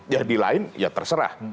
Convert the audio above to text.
ya di lain ya terserah